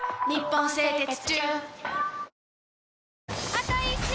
あと１周！